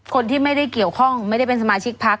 คนที่ไม่ได้เกี่ยวข้องไม่ได้เป็นสมาชิกพัก